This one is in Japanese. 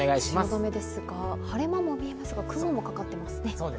汐留ですが、晴れ間もありますが雲もかかっていますね。